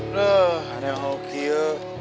nah ada yang hoki ya